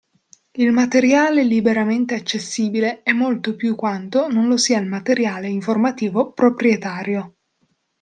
Il materiale liberamente accessibile è molto più di quanto non lo sia il materiale informativo proprietario.